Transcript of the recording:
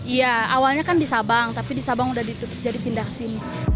iya awalnya kan di sabang tapi di sabang sudah ditutup jadi pindah sini